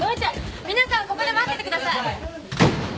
皆さんはここで待っててください。